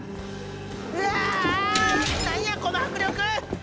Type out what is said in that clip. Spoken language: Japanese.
うわ何やこの迫力！